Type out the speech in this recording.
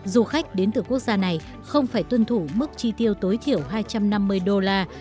du khách đến từ quốc gia này không phải tuân thủ mức chi tiêu tối thiểu hai trăm năm mươi đô la